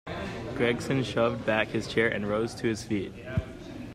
Gregson shoved back his chair and rose to his feet.